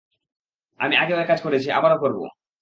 আমি আগেও একাজ করেছি, আবারও করবো।